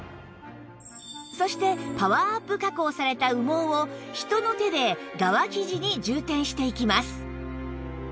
そしてパワーアップ加工された羽毛を人の手で側生地に充填していきます